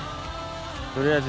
取りあえず